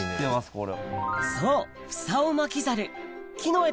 これ。